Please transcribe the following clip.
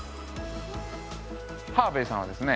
ハーヴェイさんはですね